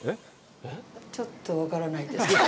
ちょっと分からないですけど。